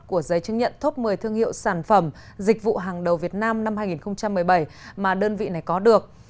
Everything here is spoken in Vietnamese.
của giấy chứng nhận top một mươi thương hiệu sản phẩm dịch vụ hàng đầu việt nam năm hai nghìn một mươi bảy mà đơn vị này có được